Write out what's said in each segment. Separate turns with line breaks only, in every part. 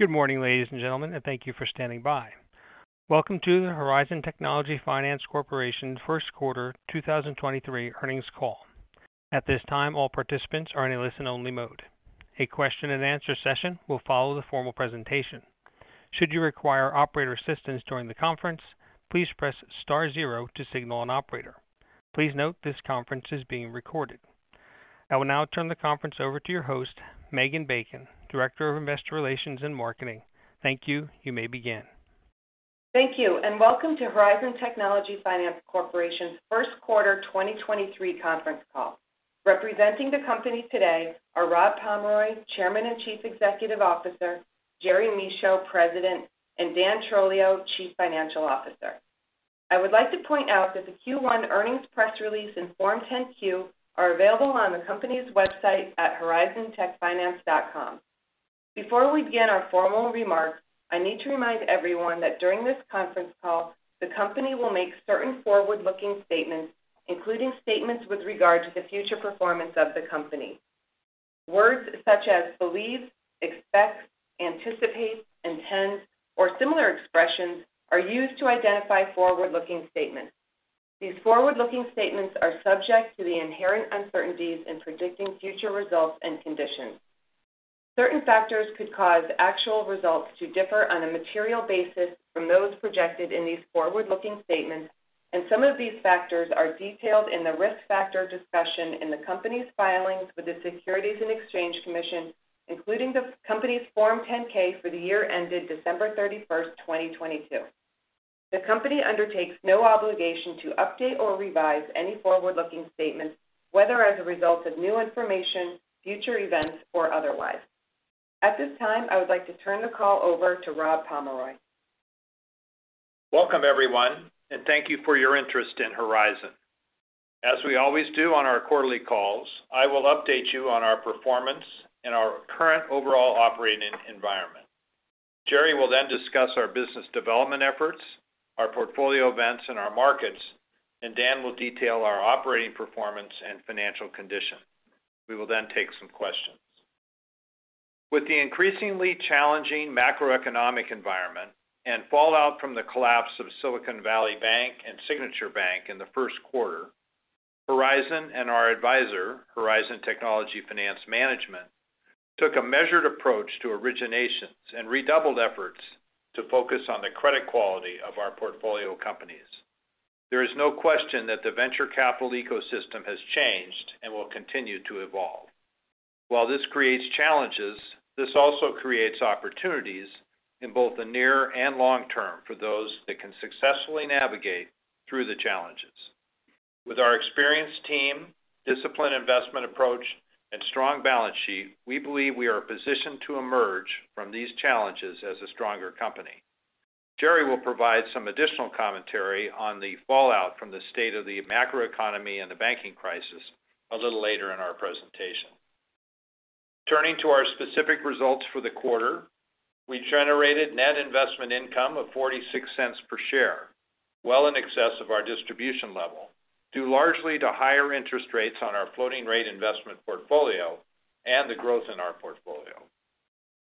Good morning, ladies and gentlemen, thank you for standing by. Welcome to the Horizon Technology Finance Corporation First Quarter 2023 earnings call. At this time, all participants are in a listen-only mode. A question and answer session will follow the formal presentation. Should you require operator assistance during the conference, please press * zero to signal an operator. Please note this conference is being recorded. I will now turn the conference over to your host, Megan Bacon, Director of Investor Relations and Marketing. Thank you. You may begin.
Thank you. Welcome to Horizon Technology Finance Corporation's first quarter 2023 conference call. Representing the company today are Rob Pomeroy, Chairman and Chief Executive Officer, Jerry Michaud, President, and Dan Trolio, Chief Financial Officer. I would like to point out that the Q1 earnings press release and Form 10-Q are available on the company's website at horizontechfinance.com. Before we begin our formal remarks, I need to remind everyone that during this conference call, the company will make certain forward-looking statements, including statements with regard to the future performance of the company. Words such as believe, expect, anticipate, intend, or similar expressions are used to identify forward-looking statements. These forward-looking statements are subject to the inherent uncertainties in predicting future results and conditions. Certain factors could cause actual results to differ on a material basis from those projected in these forward-looking statements. Some of these factors are detailed in the risk factor discussion in the company's filings with the Securities and Exchange Commission, including the company's Form 10-K for the year ended December 31st, 2022. The company undertakes no obligation to update or revise any forward-looking statements, whether as a result of new information, future events, or otherwise. At this time, I would like to turn the call over to Rob Pomeroy.
Welcome, everyone. Thank you for your interest in Horizon. As we always do on our quarterly calls, I will update you on our performance and our current overall operating environment. Jerry will then discuss our business development efforts, our portfolio events in our markets, and Dan will detail our operating performance and financial condition. We will take some questions. With the increasingly challenging macroeconomic environment and fallout from the collapse of Silicon Valley Bank and Signature Bank in the first quarter, Horizon and our advisor, Horizon Technology Finance Management, took a measured approach to originations and redoubled efforts to focus on the credit quality of our portfolio companies. There is no question that the venture capital ecosystem has changed and will continue to evolve. While this creates challenges, this also creates opportunities in both the near and long term for those that can successfully navigate through the challenges. With our experienced team, disciplined investment approach, and strong balance sheet, we believe we are positioned to emerge from these challenges as a stronger company. Jerry will provide some additional commentary on the fallout from the state of the macroeconomy and the banking crisis a little later in our presentation. Turning to our specific results for the quarter, we generated net investment income of $0.46 per share, well in excess of our distribution level, due largely to higher interest rates on our floating rate investment portfolio and the growth in our portfolio.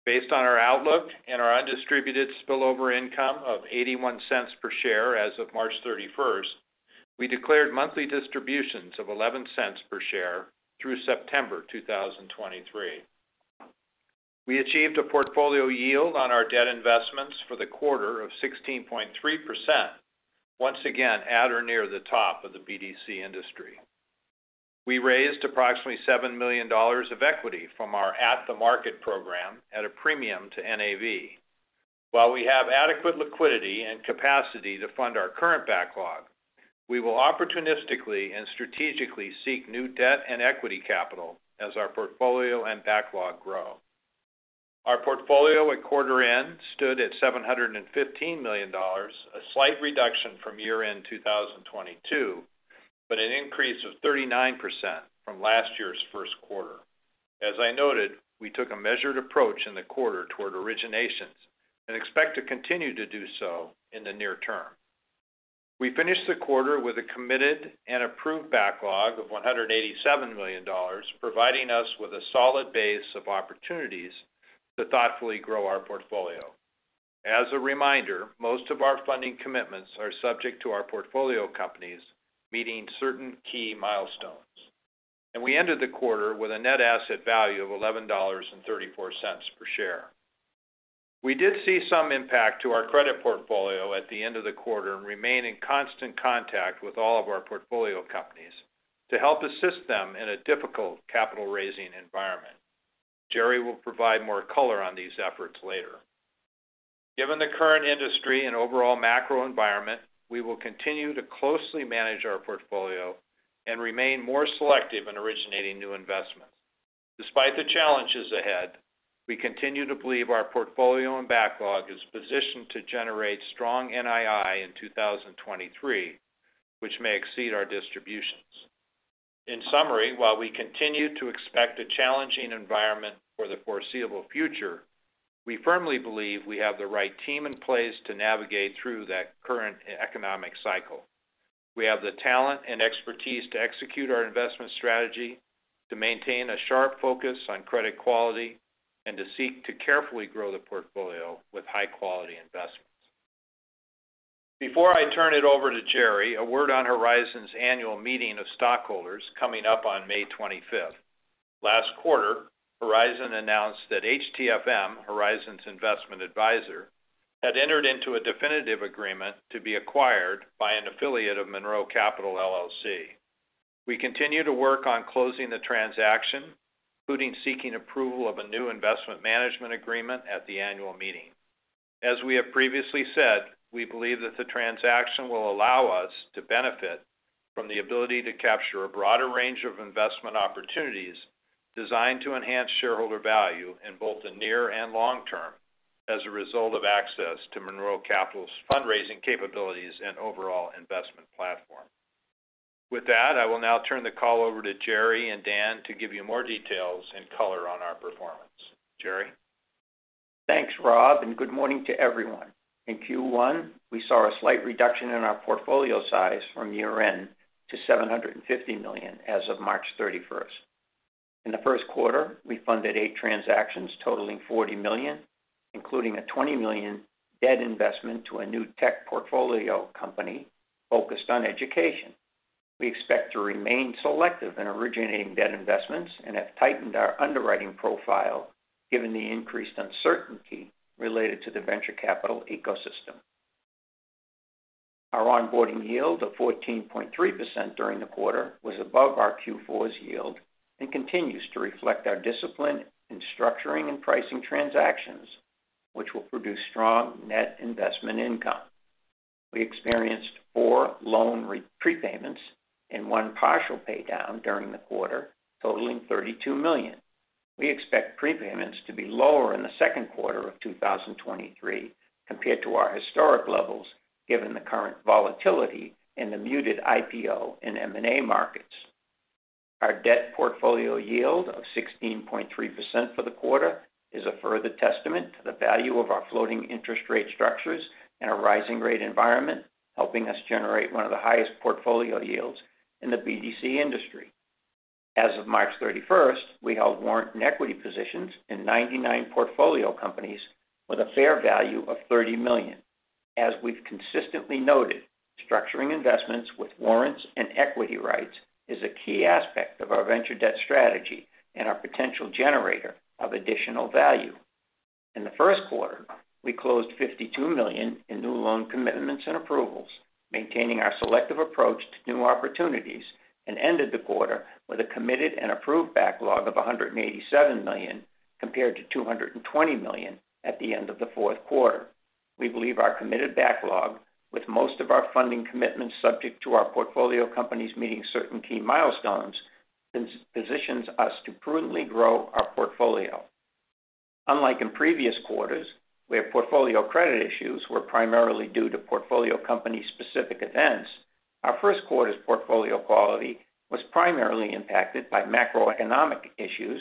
Based on our outlook and our undistributed spillover income of $0.81 per share as of March 31st, we declared monthly distributions of $0.11 per share through September 2023. We achieved a portfolio yield on our debt investments for the quarter of 16.3%, once again at or near the top of the BDC industry. We raised approximately $7 million of equity from our at-the-market program at a premium to NAV. While we have adequate liquidity and capacity to fund our current backlog, we will opportunistically and strategically seek new debt and equity capital as our portfolio and backlog grow. Our portfolio at quarter end stood at $715 million, a slight reduction from year-end 2022, but an increase of 39% from last year's first quarter. As I noted, we took a measured approach in the quarter toward originations and expect to continue to do so in the near term. We finished the quarter with a committed and approved backlog of $187 million, providing us with a solid base of opportunities to thoughtfully grow our portfolio. As a reminder, most of our funding commitments are subject to our portfolio companies meeting certain key milestones. We ended the quarter with a net asset value of $11.34 per share. We did see some impact to our credit portfolio at the end of the quarter and remain in constant contact with all of our portfolio companies to help assist them in a difficult capital-raising environment. Jerry will provide more color on these efforts later. Given the current industry and overall macro environment, we will continue to closely manage our portfolio and remain more selective in originating new investments. Despite the challenges ahead, we continue to believe our portfolio and backlog is positioned to generate strong NII in 2023, which may exceed our distributions. In summary, while we continue to expect a challenging environment for the foreseeable future, we firmly believe we have the right team in place to navigate through that current economic cycle. We have the talent and expertise to execute our investment strategy, to maintain a sharp focus on credit quality, and to seek to carefully grow the portfolio with high-quality investments. Before I turn it over to Jerry, a word on Horizon's annual meeting of stockholders coming up on May 25th. Last quarter, Horizon announced that HTFM, Horizon's investment advisor, had entered into a definitive agreement to be acquired by an affiliate of Monroe Capital LLC. We continue to work on closing the transaction, including seeking approval of a new investment management agreement at the annual meeting. As we have previously said, we believe that the transaction will allow us to benefit from the ability to capture a broader range of investment opportunities designed to enhance shareholder value in both the near and long term as a result of access to Monroe Capital's fundraising capabilities and overall investment platform. With that, I will now turn the call over to Jerry and Dan to give you more details and color on our performance. Jerry?
Thanks, Rob. Good morning to everyone. In Q1, we saw a slight reduction in our portfolio size from year-end to $750 million as of March 31st. In the first quarter, we funded 8 transactions totaling $40 million, including a $20 million debt investment to a new tech portfolio company focused on education. We expect to remain selective in originating debt investments and have tightened our underwriting profile given the increased uncertainty related to the venture capital ecosystem. Our onboarding yield of 14.3% during the quarter was above our Q4's yield and continues to reflect our discipline in structuring and pricing transactions, which will produce strong net investment income. We experienced 4 loan prepayments and 1 partial paydown during the quarter, totaling $32 million. We expect prepayments to be lower in the second quarter of 2023 compared to our historic levels, given the current volatility in the muted IPO and M&A markets. Our debt portfolio yield of 16.3% for the quarter is a further testament to the value of our floating interest rate structures in a rising rate environment, helping us generate one of the highest portfolio yields in the BDC industry. As of March 31st, we held warrant and equity positions in 99 portfolio companies with a fair value of $30 million. As we've consistently noted, structuring investments with warrants and equity rights is a key aspect of our venture debt strategy and our potential generator of additional value. In the first quarter, we closed $52 million in new loan commitments and approvals, maintaining our selective approach to new opportunities, ended the quarter with a committed and approved backlog of $187 million, compared to $220 million at the end of the fourth quarter. We believe our committed backlog, with most of our funding commitments subject to our portfolio companies meeting certain key milestones, positions us to prudently grow our portfolio. Unlike in previous quarters, where portfolio credit issues were primarily due to portfolio company-specific events, our first quarter's portfolio quality was primarily impacted by macroeconomic issues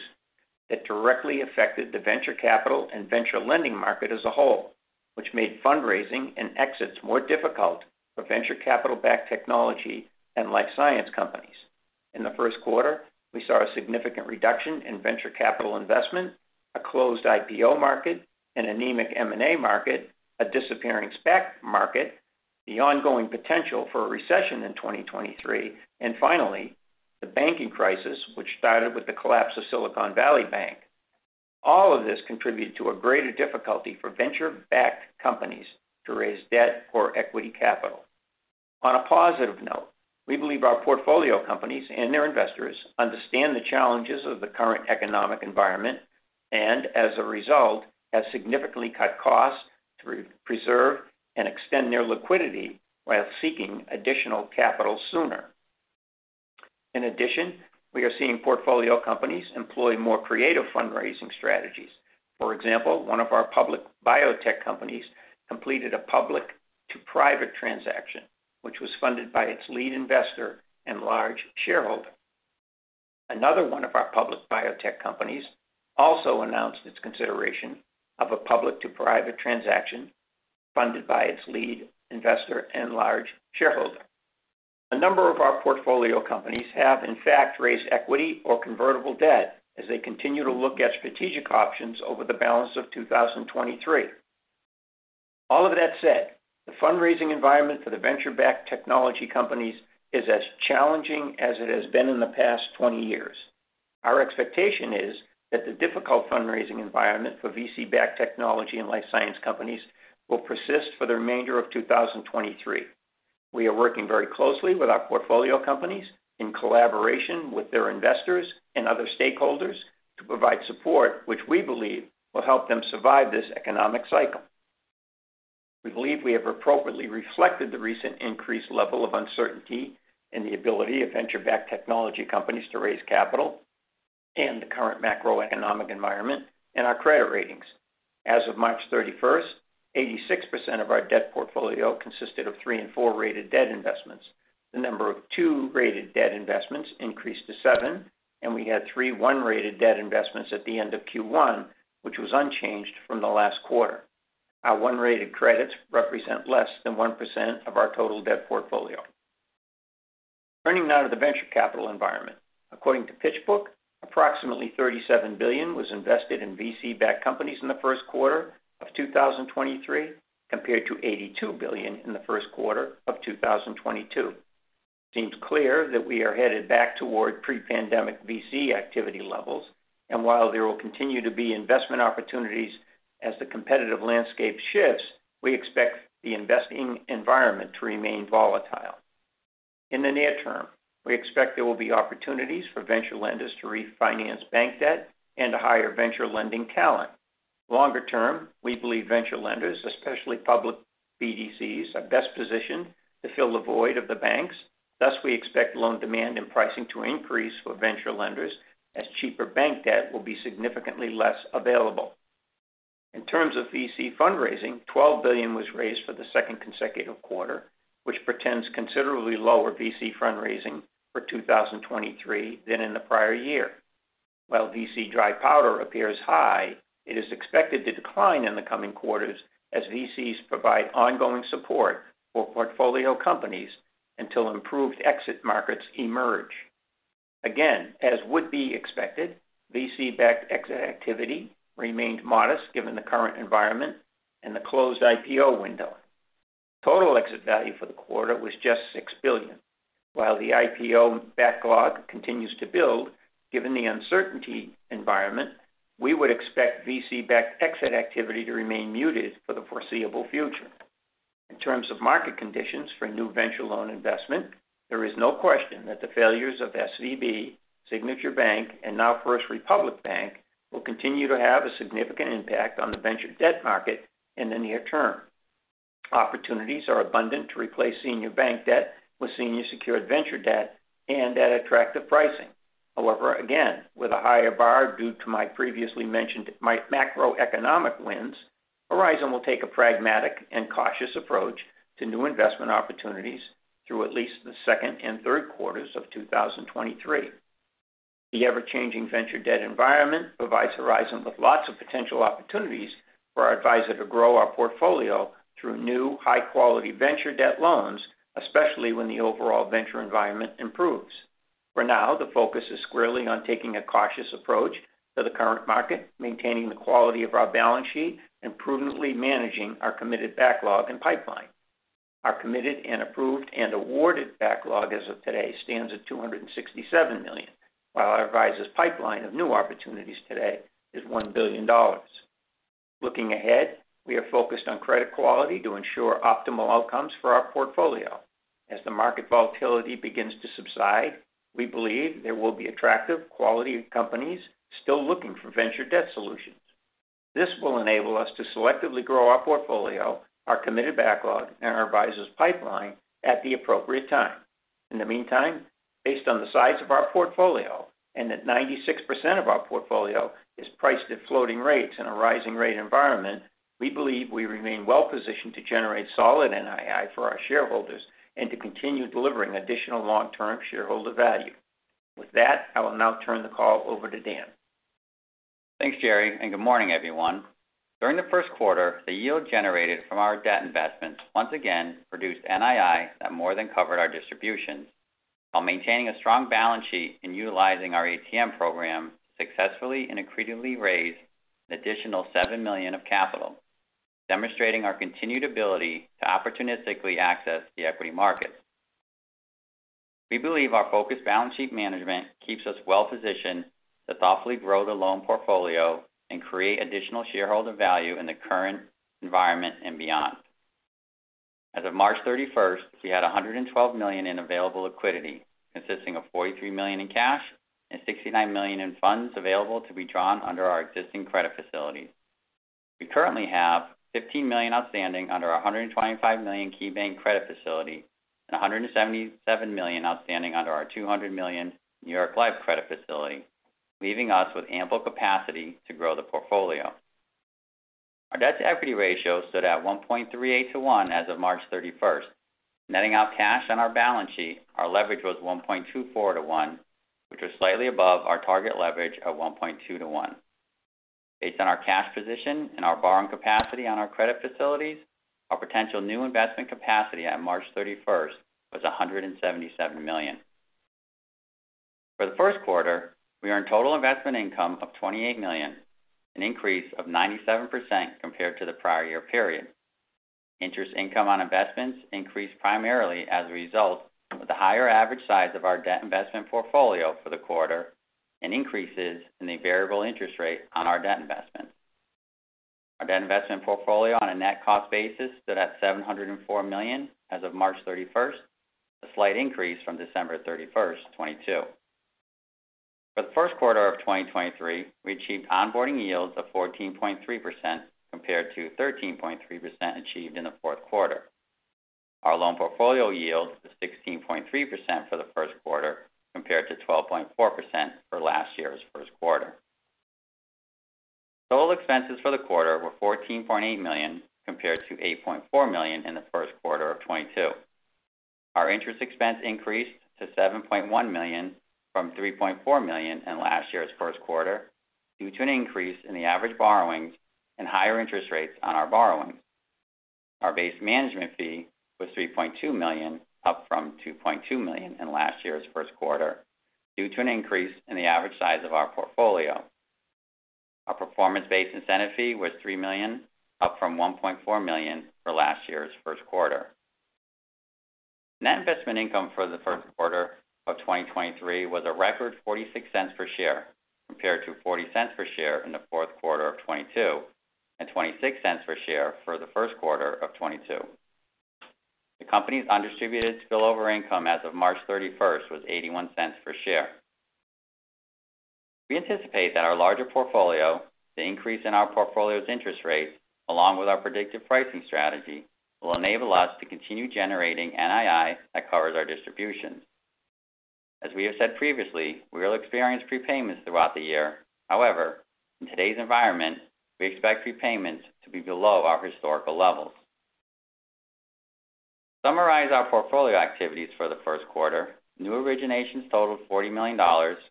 that directly affected the venture capital and venture lending market as a whole, which made fundraising and exits more difficult for venture capital-backed technology and life science companies. In the first quarter, we saw a significant reduction in venture capital investment, a closed IPO market, an anemic M&A market, a disappearing SPAC market, the ongoing potential for a recession in 2023, and finally, the banking crisis, which started with the collapse of Silicon Valley Bank. All of this contributed to a greater difficulty for venture-backed companies to raise debt or equity capital. On a positive note, we believe our portfolio companies and their investors understand the challenges of the current economic environment, and as a result, have significantly cut costs to preserve and extend their liquidity while seeking additional capital sooner. In addition, we are seeing portfolio companies employ more creative fundraising strategies. For example, one of our public biotech companies completed a public-to-private transaction, which was funded by its lead investor and large shareholder. Another one of our public biotech companies also announced its consideration of a public-to-private transaction funded by its lead investor and large shareholder. A number of our portfolio companies have, in fact, raised equity or convertible debt as they continue to look at strategic options over the balance of 2023. All of that said, the fundraising environment for the venture-backed technology companies is as challenging as it has been in the past 20 years. Our expectation is that the difficult fundraising environment for VC-backed technology and life science companies will persist for the remainder of 2023. We are working very closely with our portfolio companies in collaboration with their investors and other stakeholders to provide support which we believe will help them survive this economic cycle. We believe we have appropriately reflected the recent increased level of uncertainty in the ability of venture-backed technology companies to raise capital and the current macroeconomic environment in our credit ratings. As of March 31st, 86% of our debt portfolio consisted of 3 and 4 rated debt investments. The number of 2 rated debt investments increased to 7, and we had 3 one-rated debt investments at the end of Q1, which was unchanged from the last quarter. Our 1 rated credits represent less than 1% of our total debt portfolio. Turning now to the venture capital environment. According to PitchBook, approximately $37 billion was invested in VC-backed companies in the first quarter of 2023, compared to $82 billion in the first quarter of 2022. It seems clear that we are headed back toward pre-pandemic VC activity levels. While there will continue to be investment opportunities as the competitive landscape shifts, we expect the investing environment to remain volatile. In the near term, we expect there will be opportunities for venture lenders to refinance bank debt and to hire venture lending talent. Longer term, we believe venture lenders, especially public BDCs, are best positioned to fill the void of the banks. We expect loan demand and pricing to increase for venture lenders as cheaper bank debt will be significantly less available. In terms of VC fundraising, $12 billion was raised for the second consecutive quarter, which portends considerably lower VC fundraising for 2023 than in the prior year. While VC dry powder appears high, it is expected to decline in the coming quarters as VCs provide ongoing support for portfolio companies until improved exit markets emerge. As would be expected, VC-backed exit activity remained modest given the current environment and the closed IPO window. Total exit value for the quarter was just $6 billion. The IPO backlog continues to build, given the uncertainty environment, we would expect VC-backed exit activity to remain muted for the foreseeable future. In terms of market conditions for new venture loan investment, there is no question that the failures of SVB, Signature Bank, and now First Republic Bank will continue to have a significant impact on the venture debt market in the near term. Opportunities are abundant to replace senior bank debt with senior secured venture debt and at attractive pricing. Again, with a higher bar due to my previously mentioned macroeconomic winds, Horizon will take a pragmatic and cautious approach to new investment opportunities through at least the second and third quarters of 2023. The ever-changing venture debt environment provides Horizon with lots of potential opportunities for our advisor to grow our portfolio through new high-quality venture debt loans, especially when the overall venture environment improves. For now, the focus is squarely on taking a cautious approach to the current market, maintaining the quality of our balance sheet, and prudently managing our committed backlog and pipeline. Our committed and approved and awarded backlog as of today stands at $267 million, while our advisor's pipeline of new opportunities today is $1 billion. Looking ahead, we are focused on credit quality to ensure optimal outcomes for our portfolio. As the market volatility begins to subside, we believe there will be attractive quality companies still looking for venture debt solutions. This will enable us to selectively grow our portfolio, our committed backlog, and our advisor's pipeline at the appropriate time. In the meantime, based on the size of our portfolio and that 96% of our portfolio is priced at floating rates in a rising rate environment, we believe we remain well-positioned to generate solid NII for our shareholders and to continue delivering additional long-term shareholder value. With that, I will now turn the call over to Dan.
Thanks, Jerry, good morning, everyone. During the first quarter, the yield generated from our debt investments once again produced NII that more than covered our distributions. While maintaining a strong balance sheet and utilizing our ATM program successfully and increasingly raised an additional $7 million of capital, demonstrating our continued ability to opportunistically access the equity markets. We believe our focused balance sheet management keeps us well-positioned to thoughtfully grow the loan portfolio and create additional shareholder value in the current environment and beyond. As of March 31st, we had $112 million in available liquidity, consisting of $43 million in cash and $69 million in funds available to be drawn under our existing credit facilities. We currently have $15 million outstanding under our $125 million KeyBank credit facility and $177 million outstanding under our $200 million New York Life credit facility, leaving us with ample capacity to grow the portfolio. Our debt-to-equity ratio stood at 1.38 to 1 as of March 31st. Netting out cash on our balance sheet, our leverage was 1.24 to 1, which was slightly above our target leverage of 1.2 to 1. Based on our cash position and our borrowing capacity on our credit facilities, our potential new investment capacity on March 31st was $177 million. For the first quarter, we earned total investment income of $28 million, an increase of 97% compared to the prior year period. Interest income on investments increased primarily as a result of the higher average size of our debt investment portfolio for the quarter and increases in the variable interest rate on our debt investment. Our debt investment portfolio on a net cost basis stood at $704 million as of March 31st, a slight increase from December 31st, 2022. For the first quarter of 2023, we achieved onboarding yields of 14.3% compared to 13.3% achieved in the fourth quarter. Our loan portfolio yield was 16.3% for the first quarter compared to 12.4% for last year's first quarter. Total expenses for the quarter were $14.8 million compared to $8.4 million in the first quarter of 2022. Our interest expense increased to $7.1 million from $3.4 million in last year's first quarter, due to an increase in the average borrowings and higher interest rates on our borrowings. Our base management fee was $3.2 million, up from $2.2 million in last year's first quarter, due to an increase in the average size of our portfolio. Our performance-based incentive fee was $3 million, up from $1.4 million for last year's first quarter. Net investment income for the first quarter of 2023 was a record $0.46 per share, compared to $0.40 per share in the fourth quarter of 2022 and $0.26 per share for the first quarter of 2022. The company's undistributed spillover income as of March 31st was $0.81 per share. We anticipate that our larger portfolio, the increase in our portfolio's interest rates, along with our predictive pricing strategy, will enable us to continue generating NII that covers our distributions. As we have said previously, we will experience prepayments throughout the year. However, in today's environment, we expect prepayments to be below our historical levels. To summarize our portfolio activities for the first quarter, new originations totaled $40 million,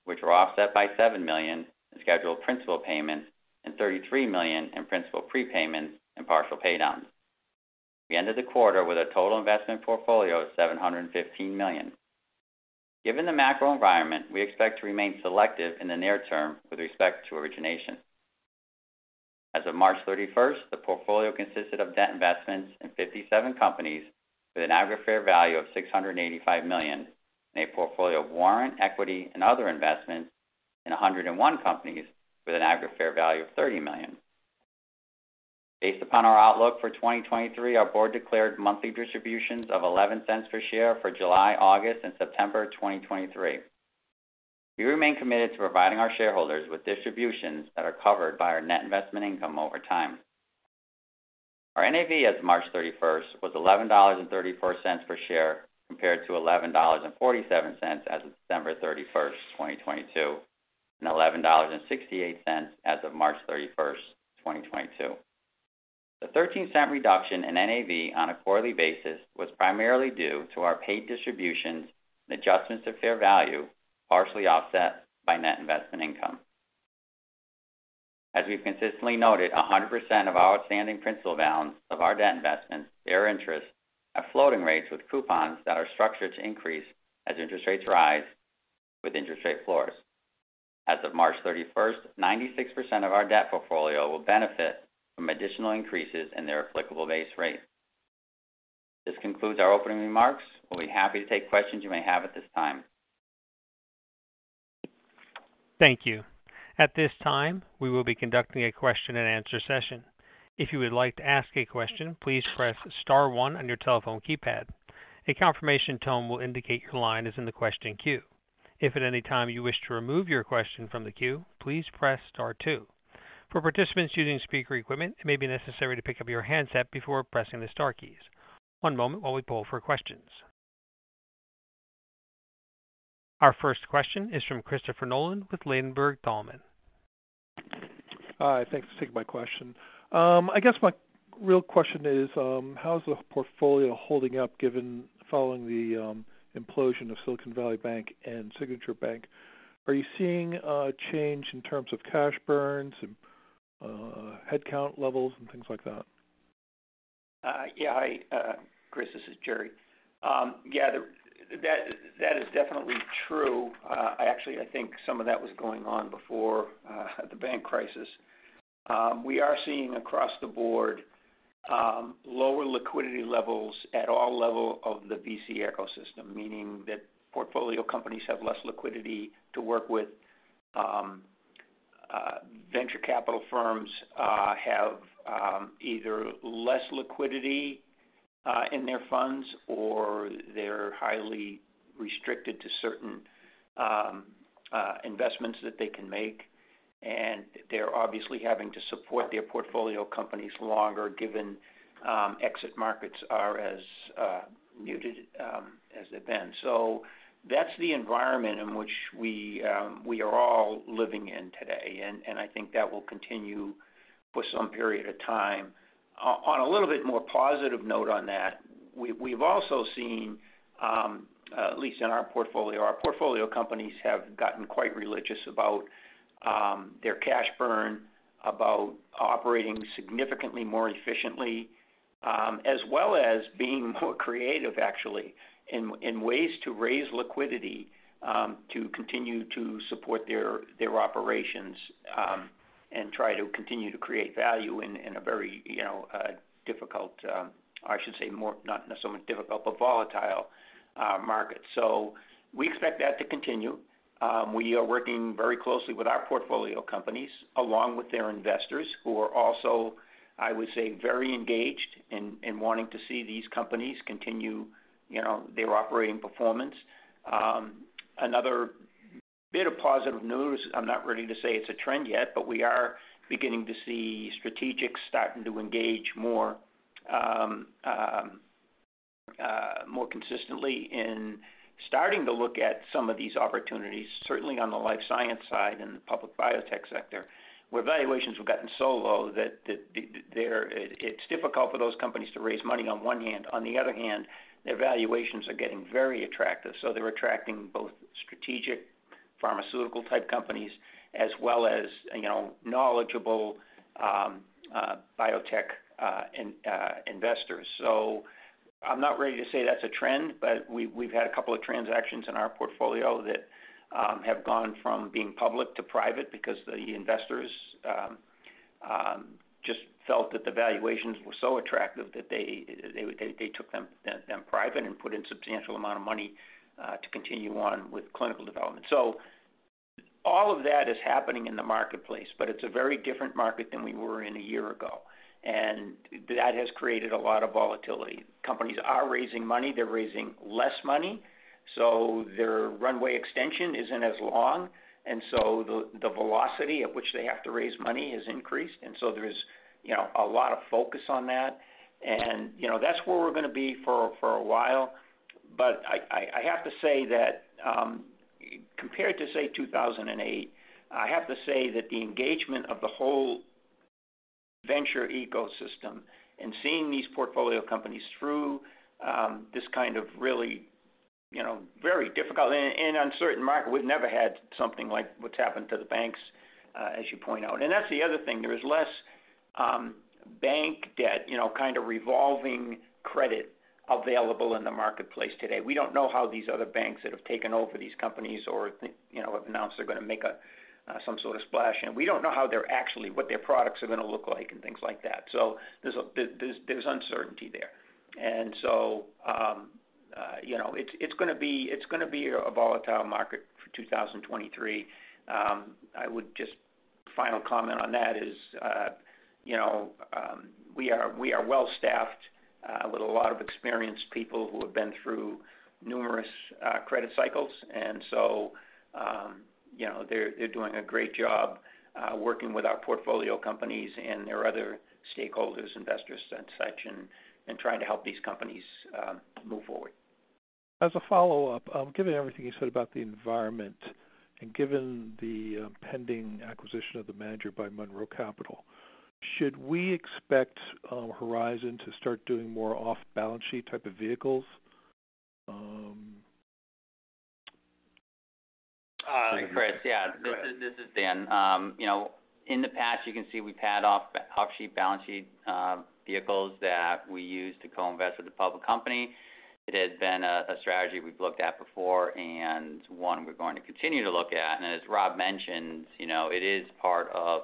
which were offset by $7 million in scheduled principal payments and $33 million in principal prepayments and partial pay downs. We ended the quarter with a total investment portfolio of $715 million. Given the macro environment, we expect to remain selective in the near term with respect to origination. As of March 31st, the portfolio consisted of debt investments in 57 companies with an aggregate fair value of $685 million, and a portfolio of warrant, equity, and other investments in 101 companies with an aggregate fair value of $30 million. Based upon our outlook for 2023, our board declared monthly distributions of $0.11 per share for July, August, and September 2023. We remain committed to providing our shareholders with distributions that are covered by our net investment income over time. Our NAV as of March 31st was $11.34 per share compared to $11.47 as of December 31st, 2022, and $11.68 as of March 31st, 2022. The $0.13 reduction in NAV on a quarterly basis was primarily due to our paid distributions and adjustments to fair value, partially offset by net investment income. As we've consistently noted, 100% of our outstanding principal balance of our debt investments bear interest at floating rates with coupons that are structured to increase as interest rates rise with interest rate floors. As of March 31st, 96% of our debt portfolio will benefit from additional increases in their applicable base rate. This concludes our opening remarks. We'll be happy to take questions you may have at this time.
Thank you. At this time, we will be conducting a question-and-answer session. If you would like to ask a question, please press * one on your telephone keypad. A confirmation tone will indicate your line is in the question queue. If at any time you wish to remove your question from the queue, please press * two. For participants using speaker equipment, it may be necessary to pick up your handset before pressing the * keys. One moment while we poll for questions. Our first question is from Christopher Nolan with Ladenburg Thalmann.
Hi, thanks for taking my question. I guess my real question is, how's the portfolio holding up given following the implosion of Silicon Valley Bank and Signature Bank? Are you seeing a change in terms of cash burns and headcount levels and things like that?
Yeah. Hi, Chris. This is Jerry. Yeah, that is definitely true. Actually, I think some of that was going on before the bank crisis. We are seeing across the board lower liquidity levels at all level of the VC ecosystem, meaning that portfolio companies have less liquidity to work with. Venture capital firms have either less liquidity in their funds or they're highly restricted to certain investments that they can make. They're obviously having to support their portfolio companies longer, given exit markets are as muted as they've been. That's the environment in which we are all living in today, and I think that will continue for some period of time. On a little bit more positive note on that, we've also seen, at least in our portfolio, our portfolio companies have gotten quite religious about their cash burn, about operating significantly more efficiently, as well as being more creative actually in ways to raise liquidity to continue to support their operations and try to continue to create value in a very, you know, difficult, or I should say more, not necessarily difficult, but volatile market. We expect that to continue. We are working very closely with our portfolio companies, along with their investors who are also, I would say, very engaged in wanting to see these companies continue, you know, their operating performance. another bit of positive news, I'm not ready to say it's a trend yet, we are beginning to see strategics starting to engage more, more consistently and starting to look at some of these opportunities, certainly on the life science side and the public biotech sector, where valuations have gotten so low that it's difficult for those companies to raise money on one hand. On the other hand, their valuations are getting very attractive, so they're attracting both strategic pharmaceutical type companies, as well as, you know, knowledgeable, biotech, investors. I'm not ready to say that's a trend, but we've had a couple of transactions in our portfolio that have gone from being public to private because the investors just felt that the valuations were so attractive that they took them private and put in substantial amount of money to continue on with clinical development. All of that is happening in the marketplace, but it's a very different market than we were in a year ago, and that has created a lot of volatility. Companies are raising money, they're raising less money, so their runway extension isn't as long. The velocity at which they have to raise money has increased. There's, you know, a lot of focus on that. You know, that's where we're gonna be for a while. I have to say that, compared to, say, 2008, I have to say that the engagement of the whole venture ecosystem and seeing these portfolio companies through, this kind of really, you know, very difficult and uncertain market. We've never had something like what's happened to the banks, as you point out. That's the other thing. There is less bank debt, you know, kind of revolving credit available in the marketplace today. We don't know how these other banks that have taken over these companies or, you know, have announced they're gonna make a, some sort of splash, and we don't know how what their products are gonna look like and things like that. There's uncertainty there. you know, it's gonna be, it's gonna be a volatile market for 2023. I would just final comment on that is, you know, we are, we are well-staffed with a lot of experienced people who have been through numerous credit cycles. you know, they're doing a great job working with our portfolio companies and their other stakeholders, investors and such, and trying to help these companies move forward.
As a follow-up, given everything you said about the environment and given the pending acquisition of the manager by Monroe Capital, should we expect Horizon to start doing more off-balance sheet type of vehicles?
Chris, yeah.
Go ahead.
This is Dan. You know, in the past, you can see we've had off-balance-sheet vehicles that we use to co-invest with a public company. It has been a strategy we've looked at before and one we're going to continue to look at. As Rob mentioned, you know, it is part of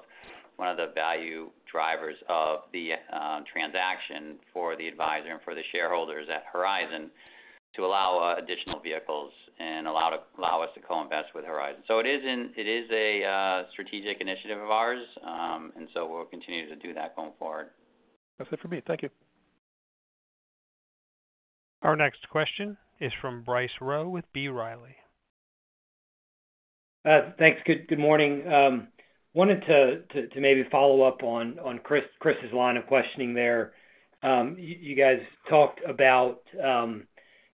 one of the value drivers of the transaction for the advisor and for the shareholders at Horizon to allow additional vehicles and allow us to co-invest with Horizon. It is a strategic initiative of ours. We'll continue to do that going forward.
That's it for me. Thank you.
Our next question is from Bryce Rowe with B. Riley.
Thanks. Good morning. Wanted to maybe follow up on Chris's line of questioning there. You guys talked about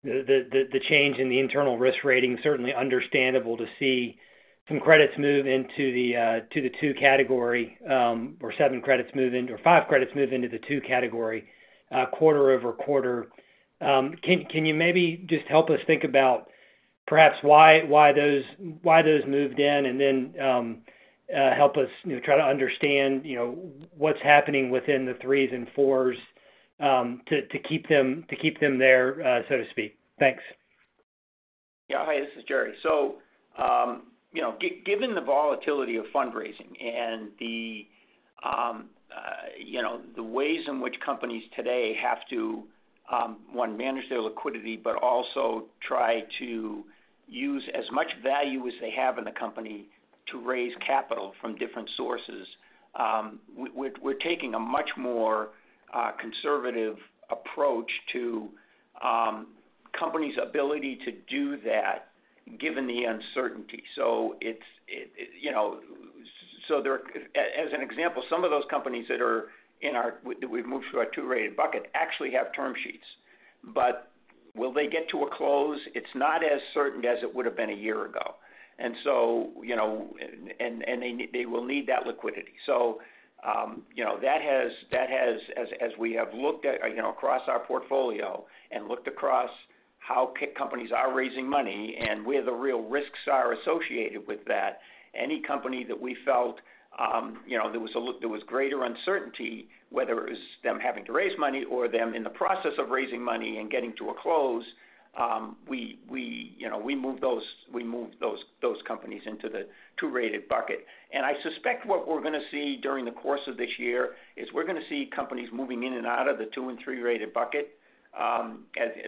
the change in the internal risk rating, certainly understandable to see some credits move into the two category, or seven credits move into or five credits move into the two category quarter-over-quarter. Can you maybe just help us think about perhaps why those moved in, and then help us try to understand, you know, what's happening within the threes and fours to keep them there, so to speak. Thanks.
Hi, this is Jerry. You know, given the volatility of fundraising and, you know, the ways in which companies today have to, one, manage their liquidity, but also try to use as much value as they have in the company to raise capital from different sources, we're taking a much more conservative approach to companies' ability to do that, given the uncertainty. You know, as an example, some of those companies that are in our that we've moved to our two-rated bucket actually have term sheets. Will they get to a close? It's not as certain as it would have been a year ago. You know, they will need that liquidity. You know, that has, as we have looked at, you know, across our portfolio and looked across how companies are raising money and where the real risks are associated with that, any company that we felt, you know, there was greater uncertainty, whether it was them having to raise money or them in the process of raising money and getting to a close, we, you know, we moved those companies into the 2-rated bucket. I suspect what we're gonna see during the course of this year is we're gonna see companies moving in and out of the 2 and 3-rated bucket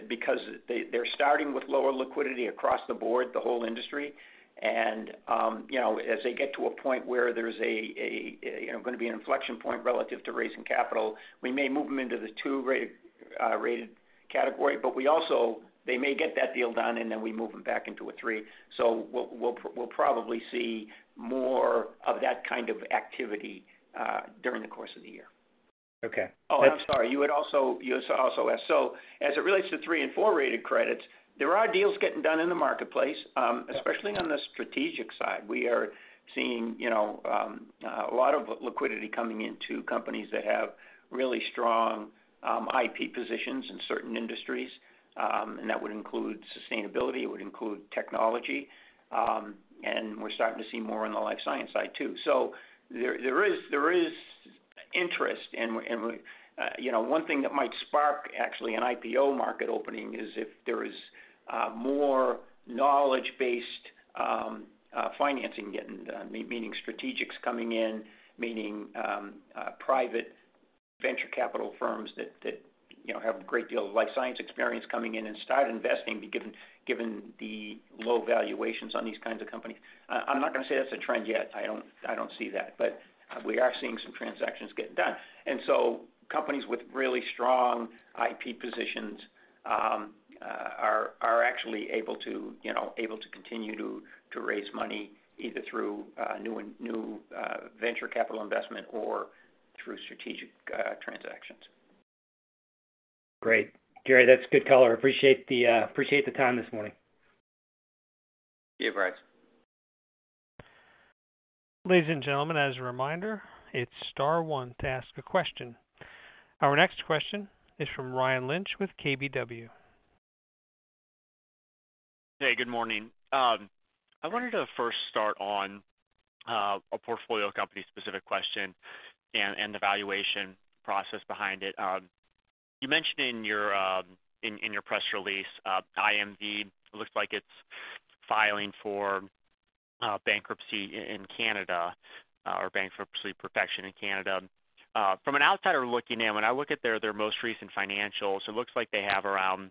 because they're starting with lower liquidity across the board, the whole industry. You know, as they get to a point where there's a, you know, gonna be an inflection point relative to raising capital, we may move them into the 2-rate rated category. They may get that deal done, and then we move them back into a 3. We'll probably see more of that kind of activity during the course of the year.
Okay.
Oh, I'm sorry. You had also, you also asked. As it relates to three and four-rated credits, there are deals getting done in the marketplace, especially on the strategic side. We are seeing, you know, a lot of liquidity coming into companies that have really strong IP positions in certain industries, and that would include sustainability, it would include technology, and we're starting to see more on the life science side too. There is interest and, you know, one thing that might spark actually an IPO market opening is if there is more knowledge-based financing getting done, meaning strategics coming in, meaning private venture capital firms that, you know, have a great deal of life science experience coming in and start investing given the low valuations on these kinds of companies. I'm not gonna say that's a trend yet. I don't see that, but we are seeing some transactions get done. Companies with really strong IP positions, are actually able to, you know, able to continue to raise money either through new venture capital investment or through strategic transactions.
Great. Jerry, that's good color. Appreciate the, appreciate the time this morning.
Yeah, Brian.
Ladies and gentlemen, as a reminder, it's * one to ask a question. Our next question is from Ryan Lynch with KBW.
Hey, good morning. I wanted to first start on a portfolio company-specific question and the valuation process behind it. You mentioned in your press release, IMV looks like it's filing for bankruptcy in Canada or bankruptcy protection in Canada. From an outsider looking in, when I look at their most recent financials, it looks like they have around,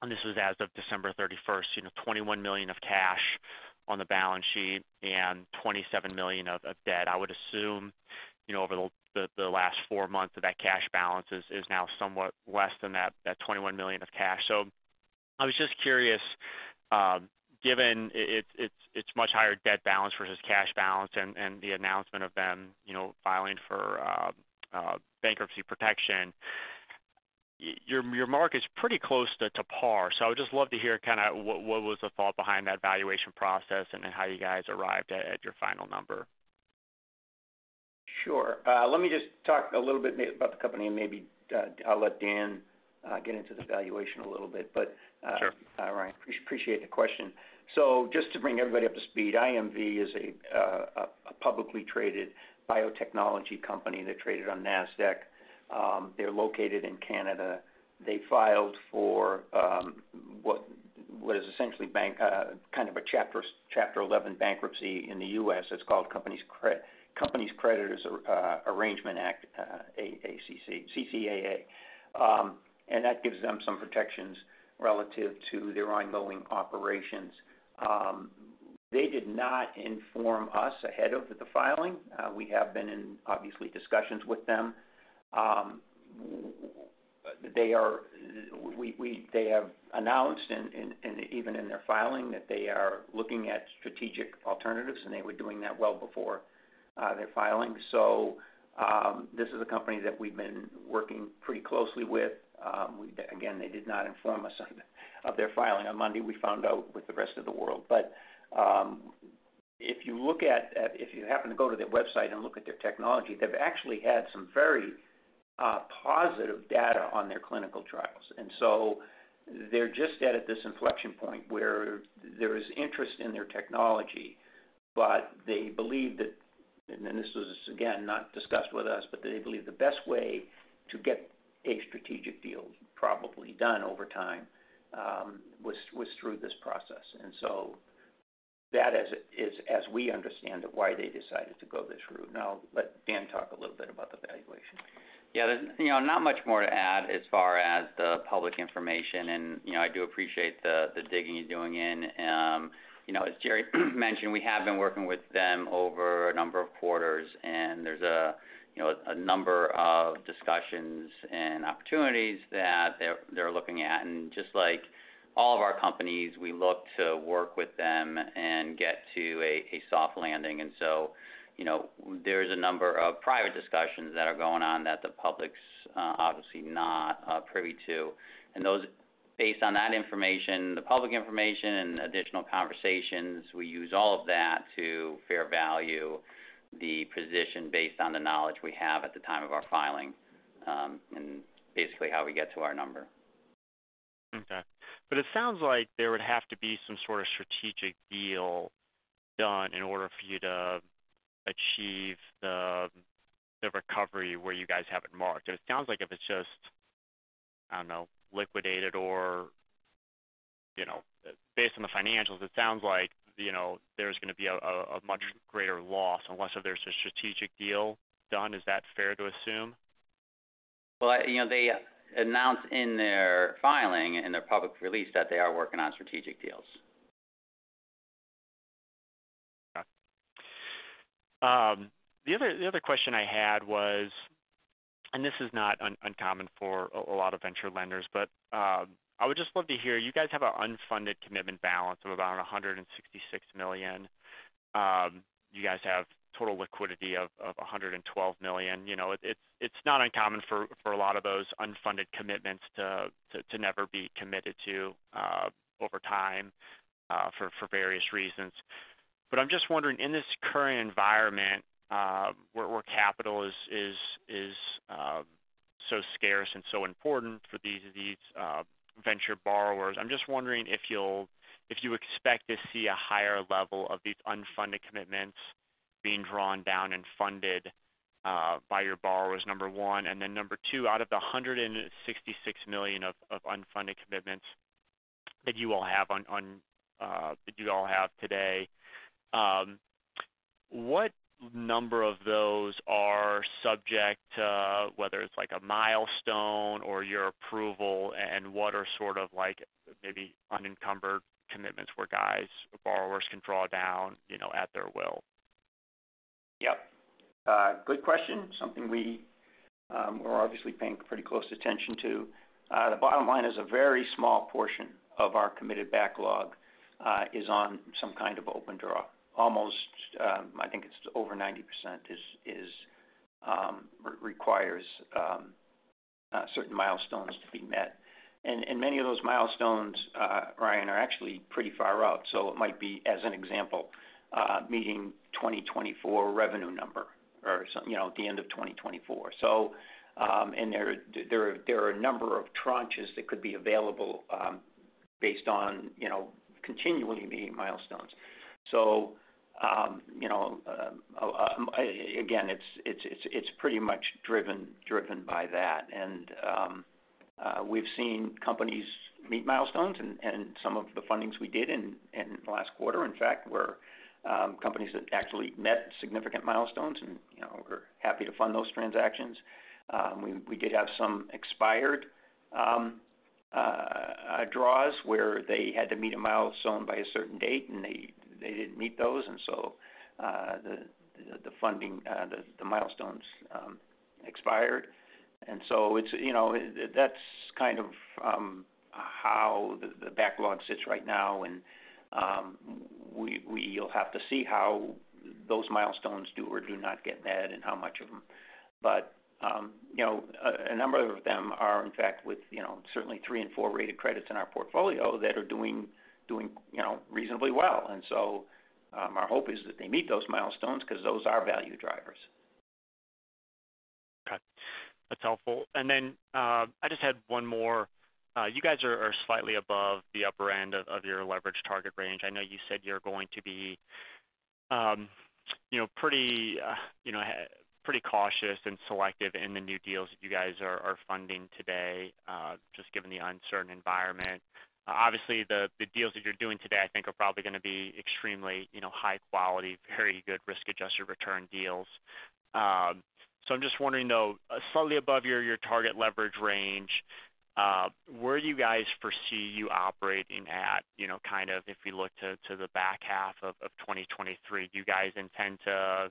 and this is as of December 31st, you know, $21 million of cash on the balance sheet and $27 million of debt. I would assume, you know, over the last 4 months that cash balance is now somewhat less than that $21 million of cash. I was just curious, given its much higher debt balance versus cash balance and the announcement of them, you know, filing for bankruptcy protection, your mark is pretty close to par. I would just love to hear kinda what was the thought behind that valuation process and how you guys arrived at your final number?
Sure. Let me just talk a little bit about the company, and maybe I'll let Dan get into the valuation a little bit.
Sure.
Ryan, appreciate the question. Just to bring everybody up to speed, IMV is a publicly traded biotechnology company. They're traded on Nasdaq. They're located in Canada. They filed for what is essentially bank, kind of a chapter 11 bankruptcy in the U.S. It's called Companies' Creditors Arrangement Act, CCAA. That gives them some protections relative to their ongoing operations. They did not inform us ahead of the filing. We have been in, obviously, discussions with them. They have announced in even in their filing that they are looking at strategic alternatives, and they were doing that well before their filing. This is a company that we've been working pretty closely with. Again, they did not inform us of their filing. On Monday, we found out with the rest of the world. If you happen to go to their website and look at their technology, they've actually had some very positive data on their clinical trials. They're just at this inflection point where there is interest in their technology, but they believe that, and this was, again, not discussed with us, but they believe the best way to get a strategic deal probably done over time was through this process. That is as we understand it, why they decided to go this route. I'll let Dan talk a little bit about the valuation.
Yeah. You know, not much more to add as far as the public information. You know, I do appreciate the digging you're doing in. You know, as Jerry mentioned, we have been working with them over a number of quarters, and there's a, you know, a number of discussions and opportunities that they're looking at. Just like all of our companies, we look to work with them and get to a soft landing. You know, there's a number of private discussions that are going on that the public's obviously not privy to. Based on that information, the public information and additional conversations, we use all of that to fair value the position based on the knowledge we have at the time of our filing, and basically how we get to our number.
Okay. It sounds like there would have to be some sort of strategic deal done in order for you to achieve the recovery where you guys have it marked. It sounds like if it's just, I don't know, liquidated or, you know, based on the financials, it sounds like, you know, there's gonna be a much greater loss unless if there's a strategic deal done. Is that fair to assume?
Well, you know, they announce in their filing, in their public release that they are working on strategic deals.
Okay. The other question I had was, this is not uncommon for a lot of venture lenders, I would just love to hear. You guys have an unfunded commitment balance of about $166 million. You guys have total liquidity of $112 million. You know, it's not uncommon for a lot of those unfunded commitments to never be committed to over time for various reasons. I'm just wondering, in this current environment, where capital is so scarce and so important for these venture borrowers. I'm just wondering if you expect to see a higher level of these unfunded commitments being drawn down and funded by your borrowers, number one. Number two, out of the $166 million of unfunded commitments that you all have on that you all have today, what number of those are subject to, whether it's like a milestone or your approval, and what are sort of like maybe unencumbered commitments where guys or borrowers can draw down, you know, at their will?
Yep. Good question. Something we're obviously paying pretty close attention to. The bottom line is a very small portion of our committed backlog is on some kind of open draw. Almost, I think it's over 90% requires certain milestones to be met. Many of those milestones, Ryan, are actually pretty far out. It might be, as an example, meeting 2024 revenue number or you know, at the end of 2024. There are a number of tranches that could be available based on, you know, continually meeting milestones. You know, again, it's pretty much driven by that. We've seen companies meet milestones and some of the fundings we did in the last quarter, in fact, were companies that actually met significant milestones and, you know, we're happy to fund those transactions. We did have some expired draws where they had to meet a milestone by a certain date, and they didn't meet those. So the milestones expired. So it's, you know, that's kind of how the backlog sits right now. You'll have to see how those milestones do or do not get met and how much of them. But, you know, a number of them are, in fact, with, you know, certainly three and four rated credits in our portfolio that are doing, you know, reasonably well. Our hope is that they meet those milestones because those are value drivers.
Okay. That's helpful. I just had one more. You guys are slightly above the upper end of your leverage target range. I know you said you're going to be, you know, pretty cautious and selective in the new deals that you guys are funding today, just given the uncertain environment. Obviously, the deals that you're doing today, I think are probably going to be extremely, you know, high quality, very good risk-adjusted return deals. I'm just wondering, though, slightly above your target leverage range, where do you guys foresee you operating at, you know, kind of if we look to the back half of 2023? Do you guys intend to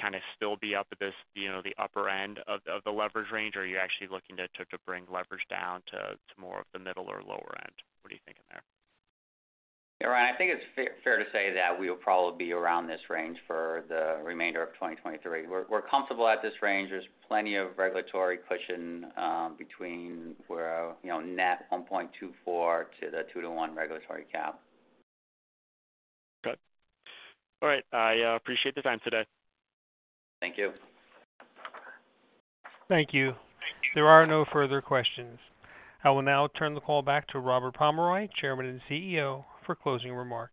kind of still be up at this, you know, the upper end of the leverage range, or are you actually looking to bring leverage down to more of the middle or lower end? What are you thinking there?
Ryan, I think it's fair to say that we'll probably be around this range for the remainder of 2023. We're comfortable at this range. There's plenty of regulatory cushion, you know, between where net 1.24 to the 2 to 1 regulatory cap.
Got it. All right. I appreciate the time today.
Thank you.
Thank you. There are no further questions. I will now turn the call back to Robert Pomeroy, Chairman and CEO, for closing remarks.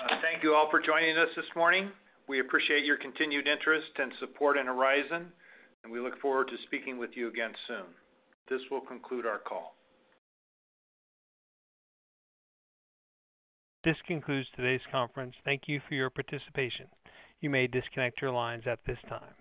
Thank you all for joining us this morning. We appreciate your continued interest and support in Horizon. We look forward to speaking with you again soon. This will conclude our call.
This concludes today's conference. Thank you for your participation. You may disconnect your lines at this time.